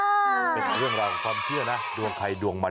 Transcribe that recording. เป็นเรื่องราวของความเชื่อนะดวงใครดวงมัน